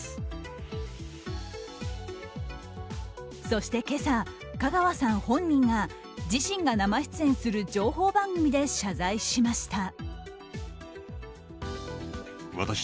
そして今朝、香川さん本人が自身が生出演する情報番組で謝罪しました。